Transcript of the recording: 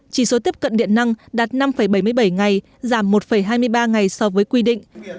chỉ số tiếp cận điện năng đạt năm bảy mươi bảy ngày giảm một hai mươi ba ngày so với quy định